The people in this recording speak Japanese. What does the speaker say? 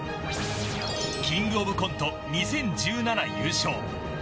キングオブコント２０１７優勝。